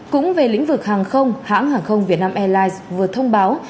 cũng về lĩnh vực hàng không hãng hàng không việt nam airlines vừa thông báo